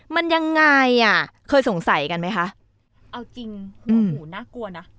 มันยังไงอ่ะเคยสงสัยกันไหมคะเอาจริงโอ้โหน่ากลัวนะ